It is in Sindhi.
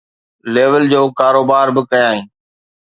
ليول جو ڪاروبار به ڪيائين